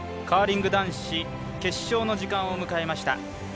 カーリング男子決勝の時間を迎えました。